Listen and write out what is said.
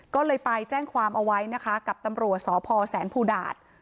ก็เลยไปแจ้งความเอาไว้นะคะกับตำรวจสพแสนภูดาต